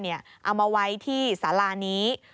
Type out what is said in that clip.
เอามาไว้ที่สารานี้